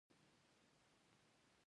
خنجان هوا ولې یخه ده؟